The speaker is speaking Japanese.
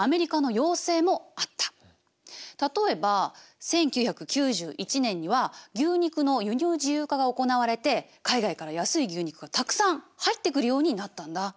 例えば１９９１年には牛肉の輸入自由化が行われて海外から安い牛肉がたくさん入ってくるようになったんだ。